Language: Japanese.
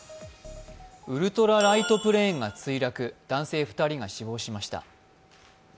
ウルトラライトプレーンが墜落、男性２人が死亡しました。